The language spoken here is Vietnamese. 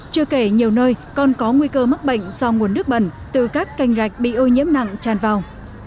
chưa kể nhiều nơi còn có nguy cơ mắc bệnh do nguồn nước bẩn từ các canh rạch bị ô nhiễm nặng tràn vào